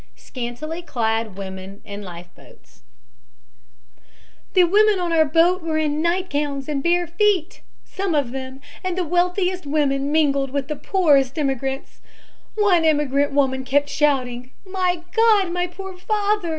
SCANTILY CLAD WOMEN IN LIFE BOATS "The women on our boat were in nightgowns and bare feet some of them and the wealthiest women mingled with the poorest immigrants. One immigrant woman kept shouting: 'My God, my poor father!